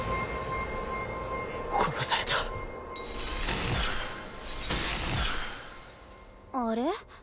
殺されたあれ？